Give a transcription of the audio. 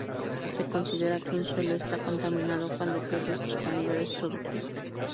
Se considera que un suelo está contaminado cuando pierde sus cualidades productivas.